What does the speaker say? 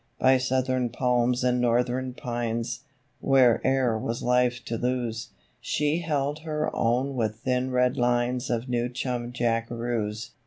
By Southern palms and Northern pines Where'er was life to lose She held her own with thin red lines Of New Chum Jackaroos.